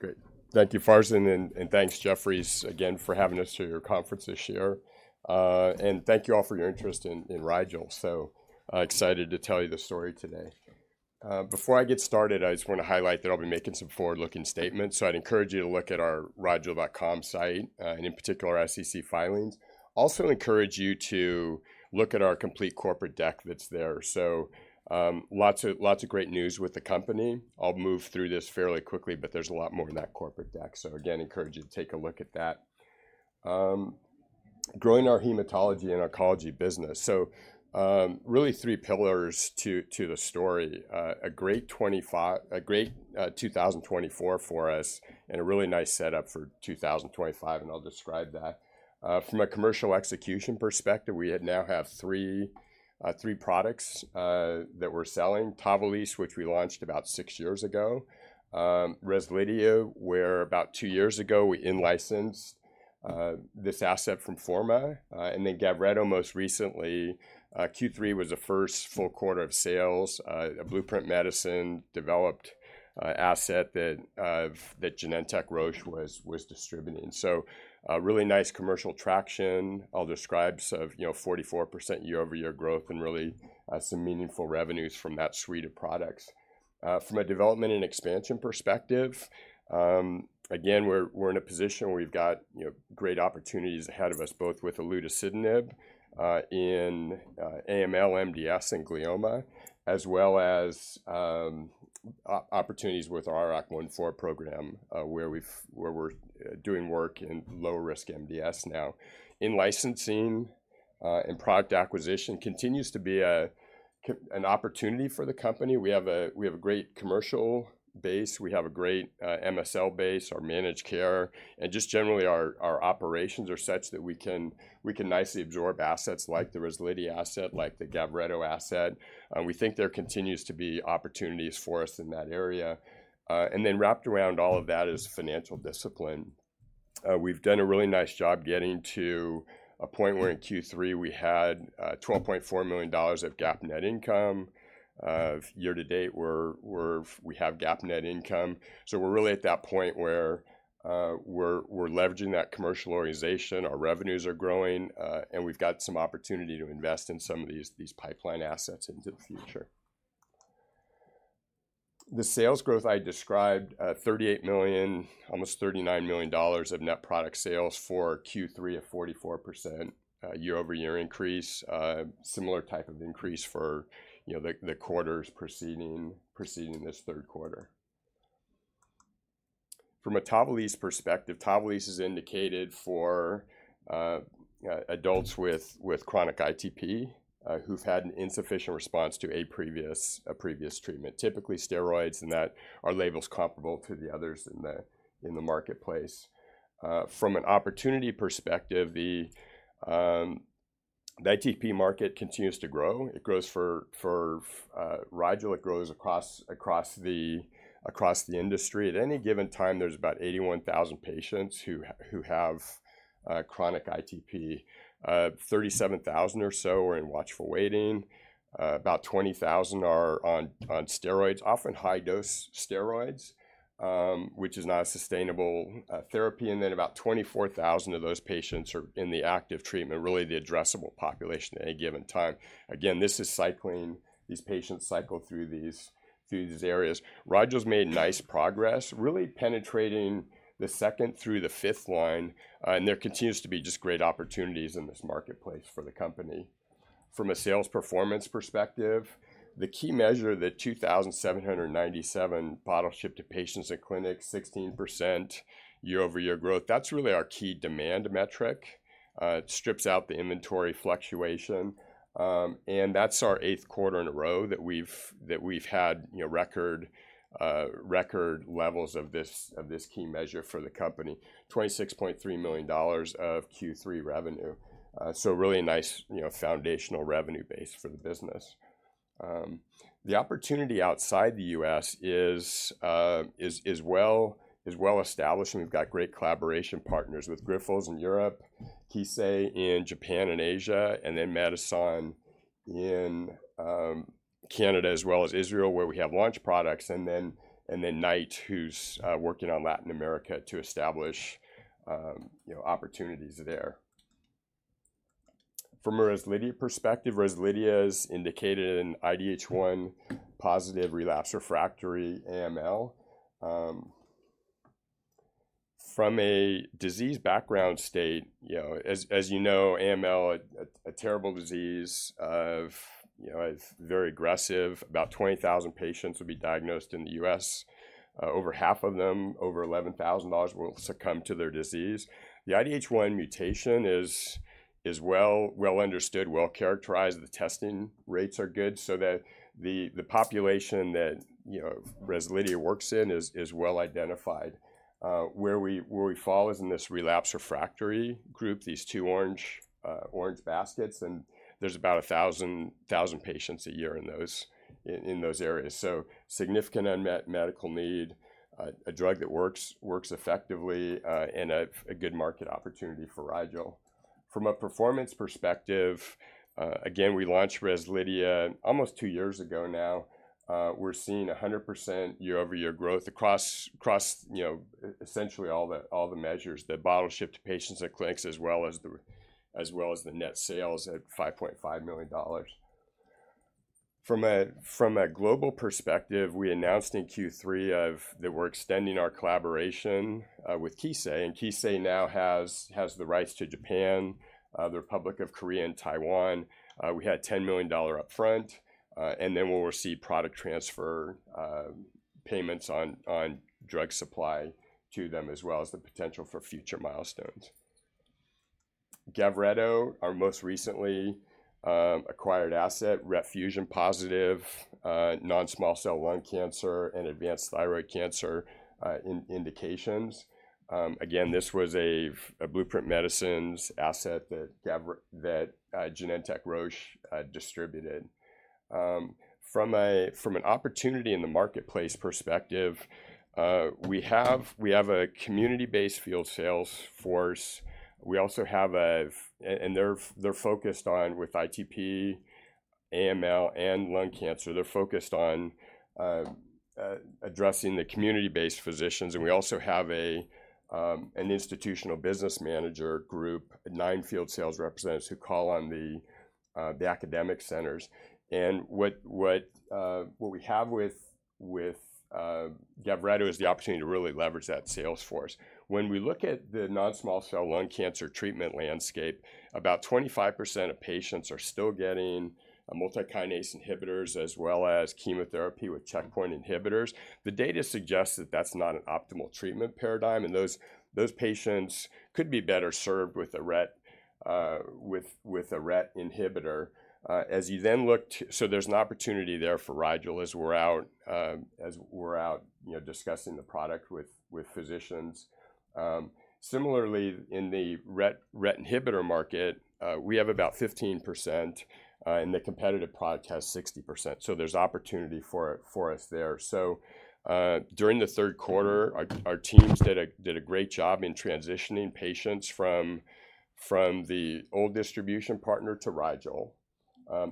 Great. Thank you, Farzan, and thanks, Jefferies, again for having us to your conference this year, and thank you all for your interest in Rigel. So excited to tell you the story today. Before I get started, I just want to highlight that I'll be making some forward-looking statements, so I'd encourage you to look at our Rigel.com site, and in particular, our SEC filings. Also encourage you to look at our complete corporate deck that's there, so lots of great news with the company. I'll move through this fairly quickly, but there's a lot more in that corporate deck, so again, encourage you to take a look at that. Growing our hematology and oncology business, so really three pillars to the story. A great 2024 for us and a really nice setup for 2025, and I'll describe that. From a commercial execution perspective, we now have three products that we're selling. Tavalisse, which we launched about six years ago. Rezlidhia, where about two years ago we in-licensed this asset from Forma. And then Gavreto most recently. Q3 was the first full quarter of sales, a Blueprint Medicines-developed asset that Genentech, Roche was distributing. So really nice commercial traction. I'll describe some 44% year-over-year growth and really some meaningful revenues from that suite of products. From a development and expansion perspective, again, we're in a position where we've got great opportunities ahead of us, both with olutasidenib in AML, MDS in glioma, as well as opportunities with our IRAK1/4 program, where we're doing work in low-risk MDS now. In licensing and product acquisition continues to be an opportunity for the company. We have a great commercial base. We have a great MSL base, our managed care. Just generally, our operations are such that we can nicely absorb assets like the Rezlidhia asset, like the Gavreto asset. We think there continues to be opportunities for us in that area. And then wrapped around all of that is financial discipline. We've done a really nice job getting to a point where in Q3 we had $12.4 million of GAAP net income. Year to date, we have GAAP net income. So we're really at that point where we're leveraging that commercial organization. Our revenues are growing, and we've got some opportunity to invest in some of these pipeline assets into the future. The sales growth I described, $38 million, almost $39 million of net product sales for Q3, a 44% year-over-year increase. Similar type of increase for the quarters preceding this third quarter. From a Tavalisse perspective, Tavalisse is indicated for adults with chronic ITP who've had an insufficient response to a previous treatment, typically steroids, and that our label's comparable to the others in the marketplace. From an opportunity perspective, the ITP market continues to grow. It grows for Rigel. It grows across the industry. At any given time, there's about 81,000 patients who have chronic ITP. 37,000 or so are in watchful waiting. About 20,000 are on steroids, often high-dose steroids, which is not a sustainable therapy. And then about 24,000 of those patients are in the active treatment, really the addressable population at any given time. Again, this is cycling. These patients cycle through these areas. Rigel's made nice progress, really penetrating the second through the fifth line. And there continues to be just great opportunities in this marketplace for the company. From a sales performance perspective, the key measure, the 2,797 bottles shipped to patients and clinics, 16% year-over-year growth, that's really our key demand metric. It strips out the inventory fluctuation. That's our eighth quarter in a row that we've had record levels of this key measure for the company. $26.3 million of Q3 revenue. Really nice foundational revenue base for the business. The opportunity outside the US is well established. We've got great collaboration partners with Grifols in Europe, Kissei in Japan and Asia, and then Medison in Canada, as well as Israel, where we have launch products. Then Knight, who's working on Latin America to establish opportunities there. From a Rezlidhia perspective, Rezlidhia is indicated in IDH1 positive relapse refractory AML. From a disease background state, as you know, AML, a terrible disease of very aggressive. About 20,000 patients will be diagnosed in the U.S. Over half of them, over 11,000, will succumb to their disease. The IDH1 mutation is well understood, well characterized. The testing rates are good, so the population that Rezlidhia works in is well identified. Where we fall is in this relapse refractory group, these two orange baskets, and there's about 1,000 patients a year in those areas, so significant unmet medical need, a drug that works effectively, and a good market opportunity for Rigel. From a performance perspective, again, we launched Rezlidhia almost two years ago now. We're seeing 100% year-over-year growth across essentially all the measures, the bottles shipped to patients and clinics, as well as the net sales at $5.5 million. From a global perspective, we announced in Q3 that we're extending our collaboration with Kissei. Kissei now has the rights to Japan, the Republic of Korea, and Taiwan. We had $10 million upfront. And then we'll receive product transfer payments on drug supply to them, as well as the potential for future milestones. Gavreto, our most recently acquired asset, RET fusion-positive non-small cell lung cancer and advanced thyroid cancer indications. Again, this was a Blueprint Medicines asset that Genentech, Roche distributed. From an opportunity in the marketplace perspective, we have a community-based field sales force. We also have, and they're focused on, with ITP, AML, and lung cancer, they're focused on addressing the community-based physicians. And we also have an institutional business manager group, nine field sales representatives who call on the academic centers. And what we have with Gavreto is the opportunity to really leverage that sales force. When we look at the non-small cell lung cancer treatment landscape, about 25% of patients are still getting multikinase inhibitors as well as chemotherapy with checkpoint inhibitors. The data suggests that that's not an optimal treatment paradigm, and those patients could be better served with a RET inhibitor. As you then look, so there's an opportunity there for Rigel as we're out discussing the product with physicians. Similarly, in the RET inhibitor market, we have about 15%, and the competitive product has 60%, so there's opportunity for us there, so during the third quarter, our teams did a great job in transitioning patients from the old distribution partner to Rigel,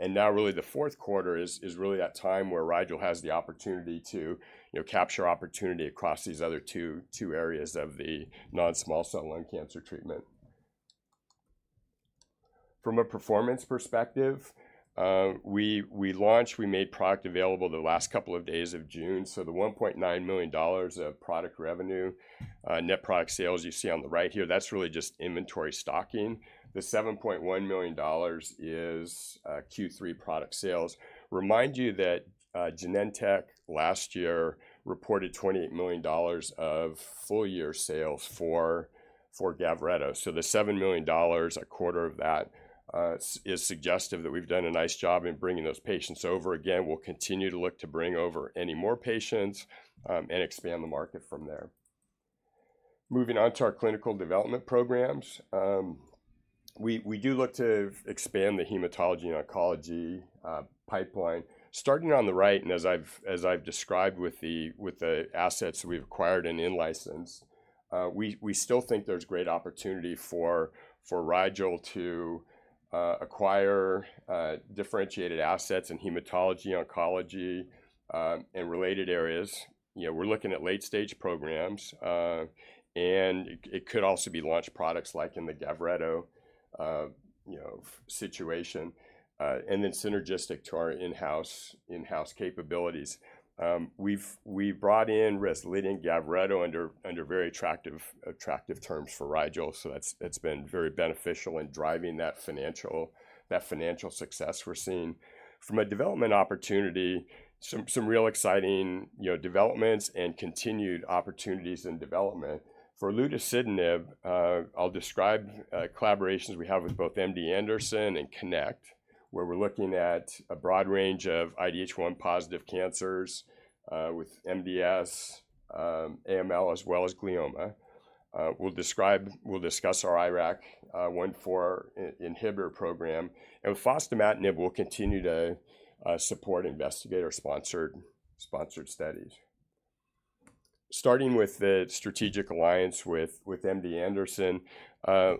and now really the fourth quarter is really that time where Rigel has the opportunity to capture opportunity across these other two areas of the non-small cell lung cancer treatment. From a performance perspective, we launched, we made product available the last couple of days of June. So the $1.9 million of product revenue, net product sales you see on the right here, that's really just inventory stocking. The $7.1 million is Q3 product sales. Remind you that Genentech last year reported $28 million of full-year sales for Gavreto. So the $7 million, a quarter of that, is suggestive that we've done a nice job in bringing those patients over. Again, we'll continue to look to bring over any more patients and expand the market from there. Moving on to our clinical development programs, we do look to expand the hematology and oncology pipeline. Starting on the right, and as I've described with the assets we've acquired and in-licensed, we still think there's great opportunity for Rigel to acquire differentiated assets in hematology, oncology, and related areas. We're looking at late-stage programs. And it could also be launch products like in the Gavreto situation. And then synergistic to our in-house capabilities. We brought in Rezlidhia and Gavreto under very attractive terms for Rigel. So that's been very beneficial in driving that financial success we're seeing. From a development opportunity, some real exciting developments and continued opportunities in development. For olutasidenib, I'll describe collaborations we have with both MD Anderson and CONNECT, where we're looking at a broad range of IDH1 positive cancers with MDS, AML, as well as glioma. We'll discuss our IRAK1/4 inhibitor program. And with fostamatinib, we'll continue to support investigator-sponsored studies. Starting with the strategic alliance with MD Anderson,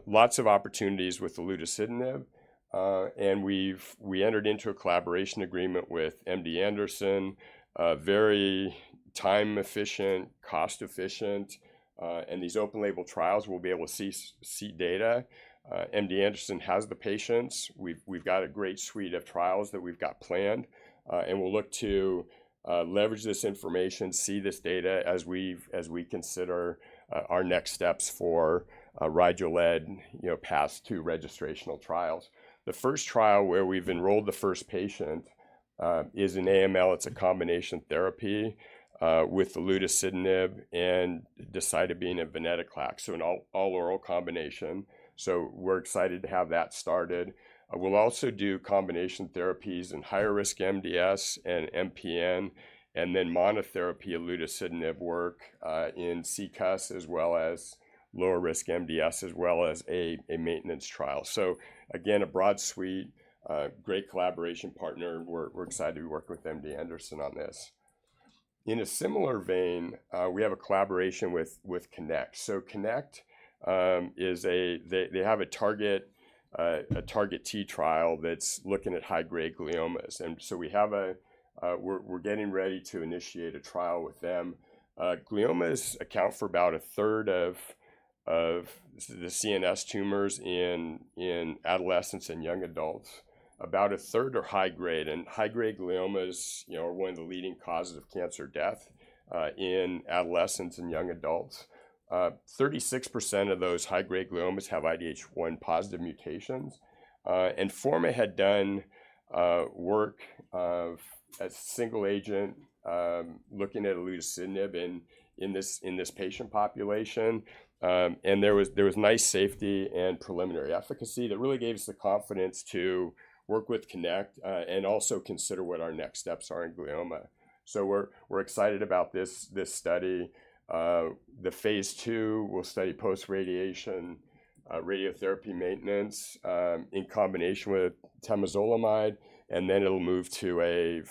lots of opportunities with olutasidenib. And we entered into a collaboration agreement with MD Anderson. Very time-efficient, cost-efficient. And these open-label trials, we'll be able to see data. MD Anderson has the patients. We've got a great suite of trials that we've got planned. And we'll look to leverage this information, see this data as we consider our next steps for Rigel-led phase II registrational trials. The first trial where we've enrolled the first patient is in AML. It's a combination therapy with olutasidenib and decitabine and venetoclax. So an all-oral combination. So we're excited to have that started. We'll also do combination therapies in higher-risk MDS and MPN, and then monotherapy olutasidenib work in CCUS, as well as lower-risk MDS, as well as a maintenance trial. So again, a broad suite, great collaboration partner. We're excited to work with MD Anderson on this. In a similar vein, we have a collaboration with CONNECT. So CONNECT, they have a targeted trial that's looking at high-grade gliomas. And so we're getting ready to initiate a trial with them. Gliomas account for about a third of the CNS tumors in adolescents and young adults. About a third are high-grade. And high-grade gliomas are one of the leading causes of cancer death in adolescents and young adults. 36% of those high-grade gliomas have IDH1 positive mutations. And Forma had done work as single agent looking at olutasidenib in this patient population. And there was nice safety and preliminary efficacy that really gave us the confidence to work with CONNECT and also consider what our next steps are in glioma. So we're excited about this study. The phase II, we'll study post-radiation radiotherapy maintenance in combination with temozolomide. And then it'll move to a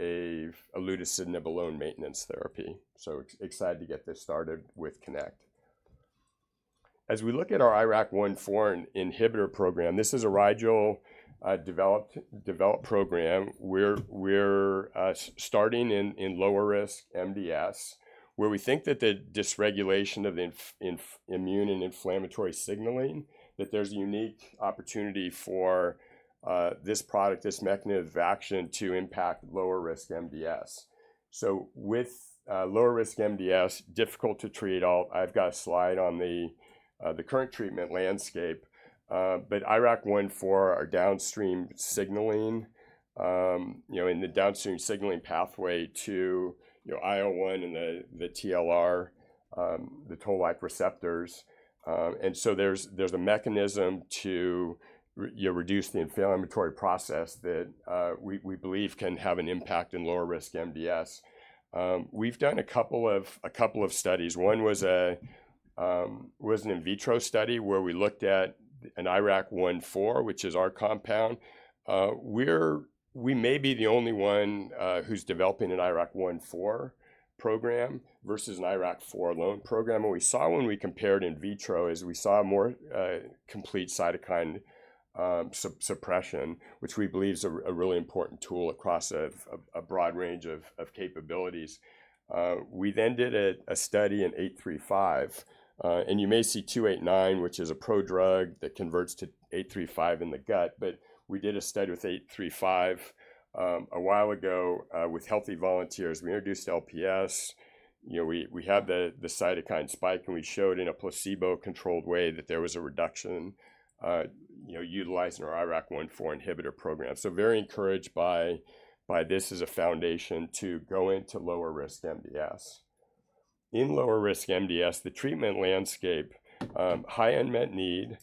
olutasidenib alone maintenance therapy. So excited to get this started with CONNECT. As we look at our IRAK1/4 inhibitor program, this is a Rigel developed program. We're starting in lower-risk MDS, where we think that the dysregulation of the immune and inflammatory signaling, that there's a unique opportunity for this product, this mechanism of action to impact lower-risk MDS. So with lower-risk MDS, difficult to treat all. I've got a slide on the current treatment landscape. But IRAK1/4 are downstream signaling in the downstream signaling pathway to IL-1 and the TLR, the Toll-like receptors. And so there's a mechanism to reduce the inflammatory process that we believe can have an impact in lower-risk MDS. We've done a couple of studies. One was an in vitro study where we looked at an IRAK1/4, which is our compound. We may be the only one who's developing an IRAK1/4 program versus an IRAK4 alone program. What we saw when we compared in vitro is we saw more complete cytokine suppression, which we believe is a really important tool across a broad range of capabilities. We then did a study in R835. And you may see R289, which is a prodrug that converts to R835 in the gut. But we did a study with R835 a while ago with healthy volunteers. We introduced LPS. We had the cytokine spike, and we showed in a placebo-controlled way that there was a reduction utilizing our IRAK1/4 inhibitor program, so very encouraged by this as a foundation to go into lower-risk MDS. In lower-risk MDS, the treatment landscape, high unmet need,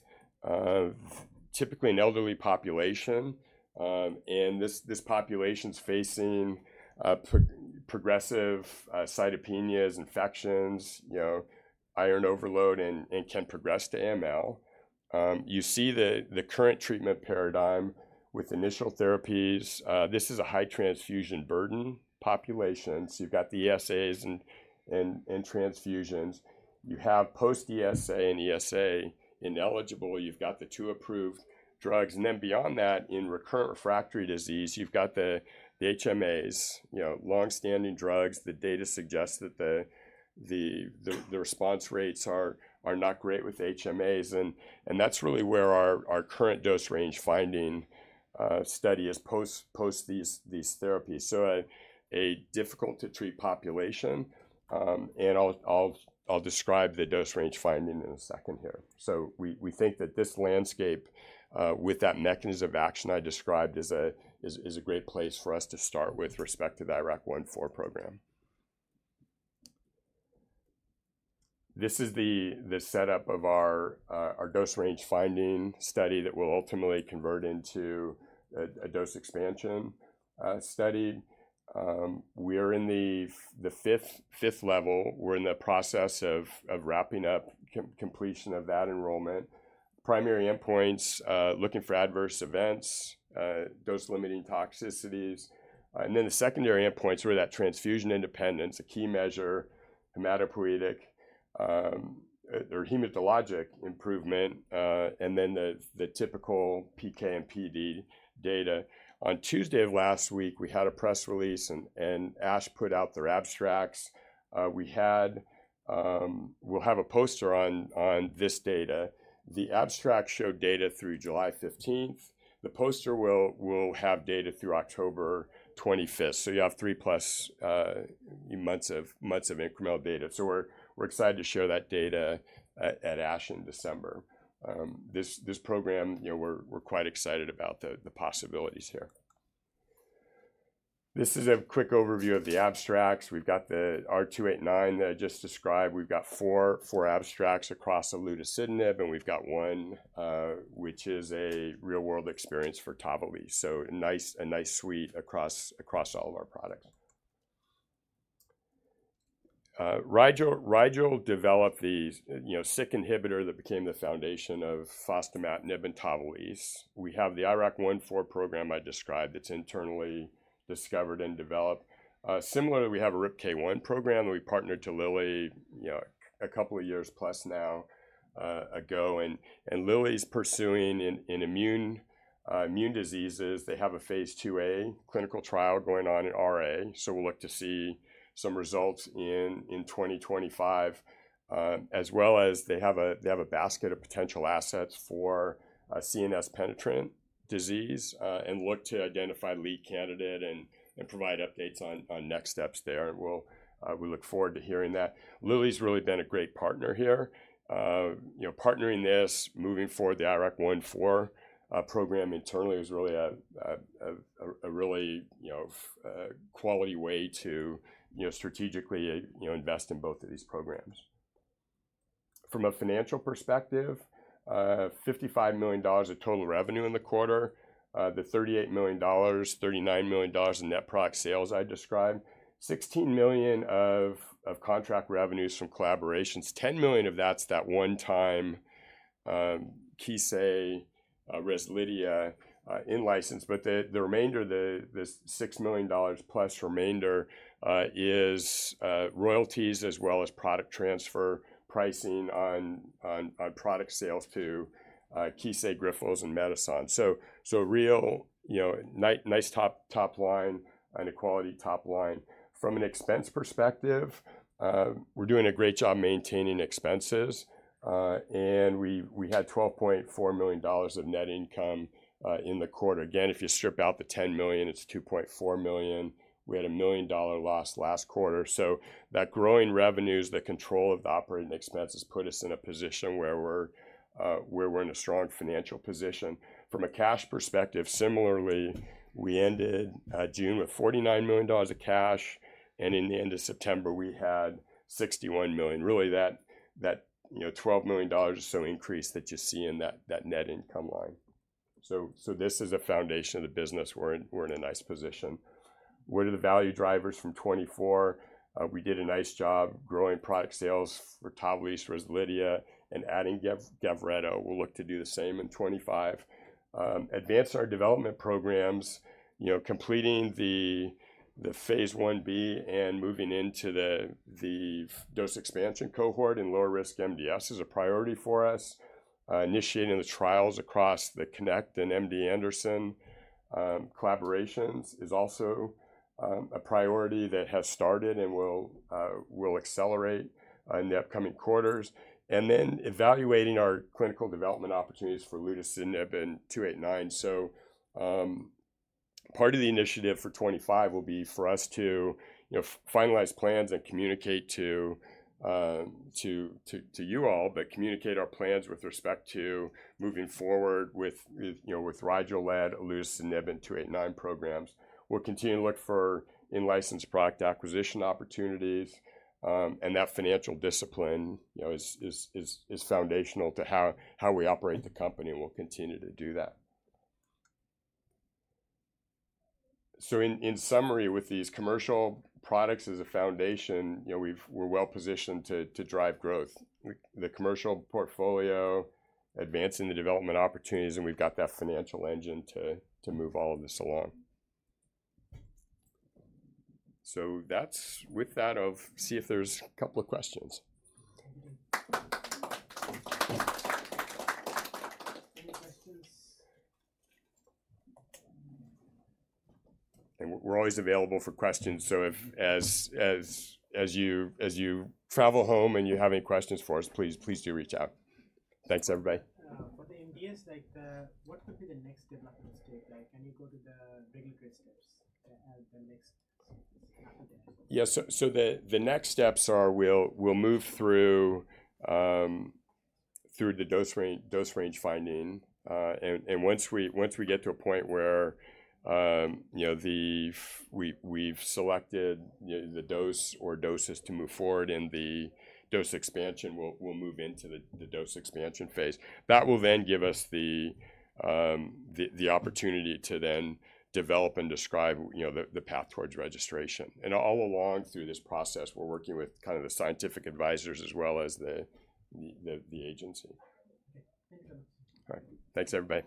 typically an elderly population, and this population's facing progressive cytopenias, infections, iron overload, and can progress to AML. You see the current treatment paradigm with initial therapies. This is a high transfusion burden population. So you've got the ESAs and transfusions. You have post-ESA and ESA ineligible. You've got the two approved drugs. And then beyond that, in recurrent refractory disease, you've got the HMAs, long-standing drugs. The data suggests that the response rates are not great with HMAs. And that's really where our current dose range finding study is post these therapies. So a difficult-to-treat population. And I'll describe the dose range finding in a second here. So we think that this landscape with that mechanism of action I described is a great place for us to start with respect to the IRAK1/4 program. This is the setup of our dose range finding study that will ultimately convert into a dose expansion study. We are in the fifth level. We're in the process of wrapping up completion of that enrollment. Primary endpoints, looking for adverse events, dose-limiting toxicities. And then the secondary endpoints were that transfusion independence, a key measure, hematopoietic or hematologic improvement, and then the typical PK and PD data. On Tuesday of last week, we had a press release, and ASH put out their abstracts. We'll have a poster on this data. The abstract showed data through July 15th. The poster will have data through October 25th. So you have three plus months of incremental data. So we're excited to share that data at ASH in December. This program, we're quite excited about the possibilities here. This is a quick overview of the abstracts. We've got the R289 that I just described. We've got four abstracts across olutasidenib, and we've got one, which is a real-world experience for Tavalisse. So a nice suite across all of our products. Rigel developed the Syk inhibitor that became the foundation of fostamatinib and Tavalisse. We have the IRAK1/4 program I described. It's internally discovered and developed. Similarly, we have a RIPK1 program that we partnered to Lilly a couple of years plus now ago. And Lilly's pursuing in immune diseases. They have a phase IIa clinical trial going on in RA. So we'll look to see some results in 2025, as well as they have a basket of potential assets for CNS penetrant disease and look to identify lead candidate and provide updates on next steps there. And we look forward to hearing that. Lilly's really been a great partner here. Partnering this, moving forward the IRAK1/4 program internally is really a quality way to strategically invest in both of these programs. From a financial perspective, $55 million of total revenue in the quarter, the $38 million-$39 million of net product sales I described, $16 million of contract revenues from collaborations, $10 million of that's that one-time Kissei Rezlidhia in-license. But the remainder, the $6 million plus remainder is royalties as well as product transfer pricing on product sales to Kissei, Grifols, and Medison. So real nice top line and a quality top line. From an expense perspective, we're doing a great job maintaining expenses. We had $12.4 million of net income in the quarter. Again, if you strip out the $10 million, it's $2.4 million. We had a $1 million loss last quarter. That growing revenues, the control of the operating expenses put us in a position where we're in a strong financial position. From a cash perspective, similarly, we ended June with $49 million of cash. And in the end of September, we had $61 million. Really, that $12 million or so increase that you see in that net income line. So this is a foundation of the business. We're in a nice position. What are the value drivers from 2024? We did a nice job growing product sales for Tavalisse, Rezlidhia, and adding Gavreto. We'll look to do the same in 2025. Advance our development programs, completing the phase I-B and moving into the dose expansion cohort in lower-risk MDS is a priority for us. Initiating the trials across the CONNECT and MD Anderson collaborations is also a priority that has started and will accelerate in the upcoming quarters. And then evaluating our clinical development opportunities for olutasidenib and R289. So part of the initiative for 2025 will be for us to finalize plans and communicate to you all, but communicate our plans with respect to moving forward with Rigel-led olutasidenib and R289 programs. We'll continue to look for in-license product acquisition opportunities. And that financial discipline is foundational to how we operate the company. And we'll continue to do that. So in summary, with these commercial products as a foundation, we're well-positioned to drive growth. The commercial portfolio, advancing the development opportunities, and we've got that financial engine to move all of this along. So that's it. With that, let's see if there's a couple of questions. Any questions? And we're always available for questions. So as you travel home and you have any questions for us, please do reach out. Thanks, everybody. For the MDS, what could be the next development step? Can you go to the regulatory steps to have the next step? Yeah. So the next steps are we'll move through the dose range finding. And once we get to a point where we've selected the dose or doses to move forward in the dose expansion, we'll move into the dose expansion phase. That will then give us the opportunity to then develop and describe the path towards registration. And all along through this process, we're working with kind of the scientific advisors as well as the agency. Thanks, everybody.